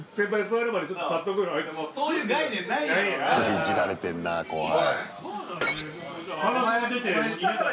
いじられてんな後輩。